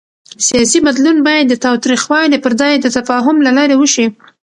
سیاسي بدلون باید د تاوتریخوالي پر ځای د تفاهم له لارې وشي